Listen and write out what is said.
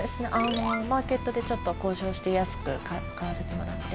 マーケットでちょっと交渉して安く買わせてもらって。